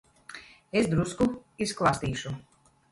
Es drusku izklāstīšu.